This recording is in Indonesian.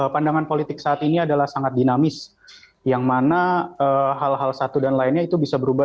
pandangan politik saat ini adalah sangat dinamis yang mana hal hal satu dan lainnya itu bisa berubah